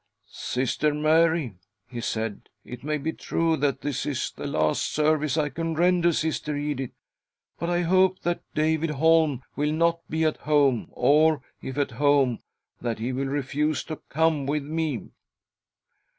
"Sister Mary," he. said, " it may be true that this is the last service I can render Sister Edith, but I hope that David Holm will not be at home, or, if at home, that he will refuse to come with me.